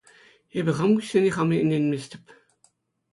Эпӗ хам куҫсене хам ӗненместӗп.